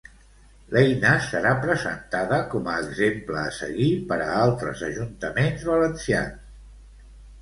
L'eina serà presentada com a exemple a seguir per a altres ajuntaments valencians.